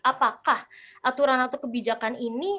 apakah aturan atau kebijakan ini